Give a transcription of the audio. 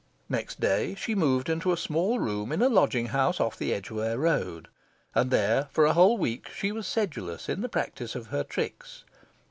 Next day, she moved into a small room in a lodging house off the Edgware Road, and there for a whole week she was sedulous in the practice of her tricks.